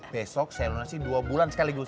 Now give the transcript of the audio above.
besok saya lunasi dua bulan sekaligus